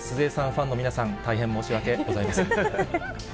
ファンの皆さん、大変申し訳ございません。